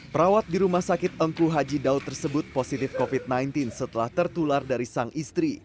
perawat di rumah sakit engku haji daud tersebut positif covid sembilan belas setelah tertular dari sang istri